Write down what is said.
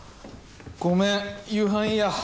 ごめん夕飯いいや。